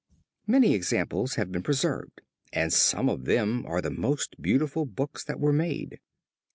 Many examples have been preserved and some of them are the most beautiful books that were made.